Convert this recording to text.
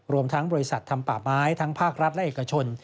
รวมทั้งบริษัททำป่าไม้ทั้งภาครัฐและเอกชน